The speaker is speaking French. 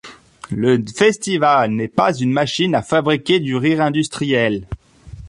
Le festival n'est pas une machine à fabriquer du rire industriel.